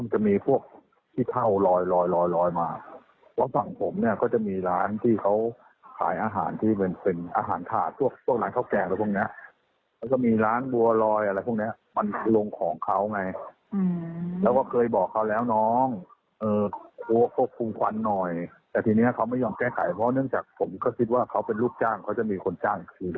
ช่วยกันคุยกันร้านใกล้กันถ้อยทีถ้อยอาศัยค่ะ